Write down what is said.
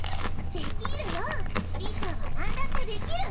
できるよちぃちゃんはなんだってできる！